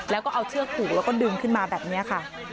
แล้วก็เอาเชือกผูกแล้วก็ดึงขึ้นมาแบบนี้ค่ะ